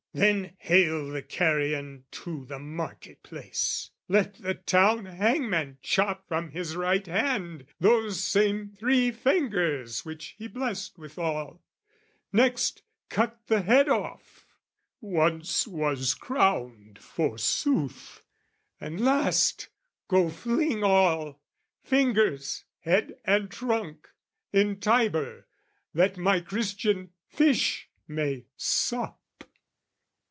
"'Then hale the carrion to the market place; "'Let the town hangman chop from his right hand "'Those same three fingers which he blessed withal; "'Next cut the head off, once was crowned forsooth: "'And last go fling all, fingers, head and trunk, "'In Tiber that my Christian fish may sup!'